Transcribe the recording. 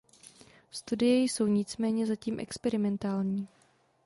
Studie jsou nicméně zatím experimentální.